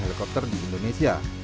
helikopter di indonesia